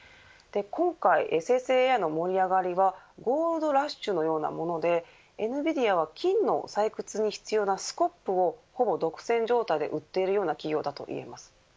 今回、生成ＡＩの盛り上がりがゴールドラッシュのようなものでエヌビディアは、金の採掘に必要なスコップをほぼ独占状態で売っているような企業だといいます。